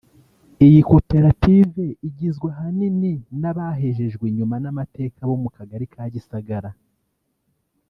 Iyi koperative igizwe ahanini n’abahejejewe inyuma n’amateka bo mu Kagari ka Gisagara